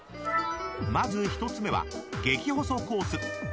まず１つ目は激細コース。